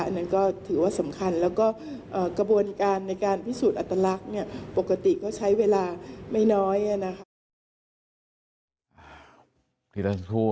อันนั้นก็ถือว่าสำคัญแล้วก็กระบวนการในการพิสูจน์อัตลักษณ์ปกติก็ใช้เวลาไม่น้อยนะคะ